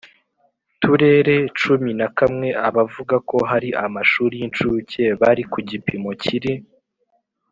turere cumi na kamwe abavuga ko hari amashuri y incuke bari ku gipimo kiri